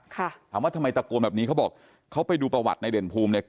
ถามว่าทำไมตะโกนแบบนี้เขาบอกเขาไปดูประวัติในเด่นภูมิเนี่ย